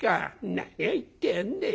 「何を言ってやがんでえ。